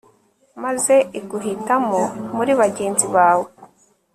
maze iguhitamo muri bagenzi bawe